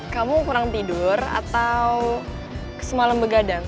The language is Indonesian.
kamu kurang tidur atau semalam begadang